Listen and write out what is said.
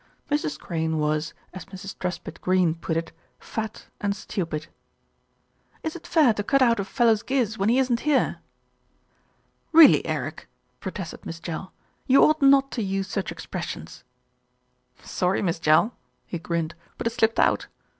Mrs. Crane was, as Mrs. Truspitt Greene put it, fat and stupid. LITTLE BILSTEAD SITS IN JUDGMENT 117 "Is it fair to cut out a fellow's giz when he isn't here?" "Really, Eric," protested Miss Jell, "you ought not to use such expressions." "Sorry, Miss Jell," he grinned, "but it slipped out.